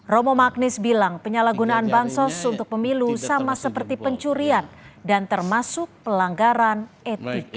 romo magnis bilang penyalahgunaan bansos untuk pemilu sama seperti pencurian dan termasuk pelanggaran etika